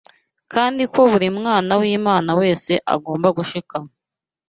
kandi ko buri mwana w’Imana wese agomba gushikama